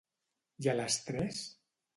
I a les tres?